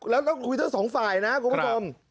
แล้วเราคือเท่า๒ฝ่ายนะคุณผู้ชม